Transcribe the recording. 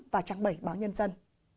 tám và trang bảy báo nhân dân